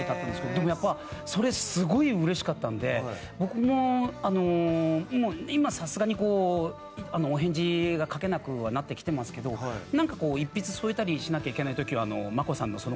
でもやっぱそれすごいうれしかったんで僕もあのもう今さすがにこうお返事が書けなくはなってきてますけどなんかこう一筆添えたりしなきゃいけない時は。